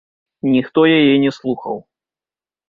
Ніхто яе не слухаў.